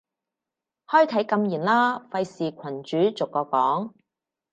開啟禁言啦，費事群主逐個講